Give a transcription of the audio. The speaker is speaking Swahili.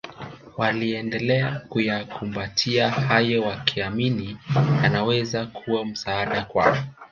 waliendelea kuyakumbatia hayo wakiamini yanaweza kuwa msaada kwao